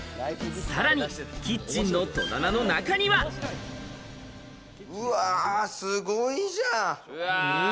さらにキッチンの戸棚の中にすごいじゃん！